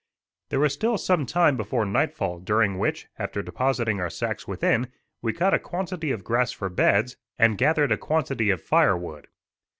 There was still some time before nightfall, during which, after depositing our sacks within, we cut a quantity of grass for beds and gathered a quantity of fire wood.